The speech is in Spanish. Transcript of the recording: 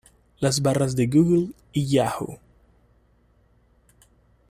Las barras de Google y Yahoo!